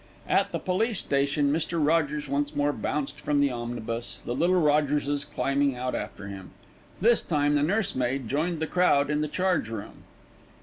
At the police station Mr. Rogers once more bounced from the omnibus, the little Rogerses climbing out after him. This time the nursemaid joined the crowd in the charge room.